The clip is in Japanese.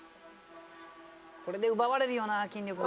これで奪われるよな、筋力が。